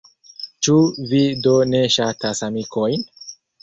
Ĉu vi do ne ŝatas amikojn?